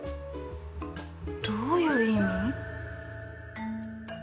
どういう意味？